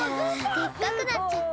でっかくなっちゃった！